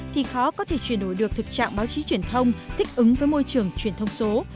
thì khó có thể chuyển đổi được thực trạng báo chí truyền thông thích ứng với môi trường truyền thông số